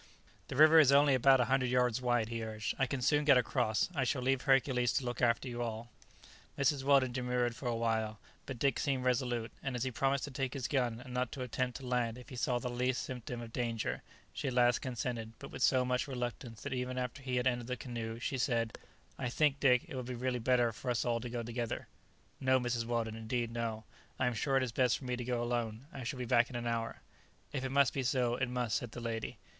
"The river is only about 100 yards wide," he urged; "I can soon get across. I shall leave Hercules to look after you all." Mrs. Weldon demurred for a while, but Dick seemed resolute, and as he promised to take his gun and not to attempt to land if he saw the least symptom of danger, she at last consented, but with so much reluctance that even after he had entered the canoe she said, "I think, Dick, it would be really better for us all to go together." "No, Mrs. Weldon, indeed, no; I am sure it is best for me to go alone; I shall be back in an hour." "If it must be so, it must," said the lady.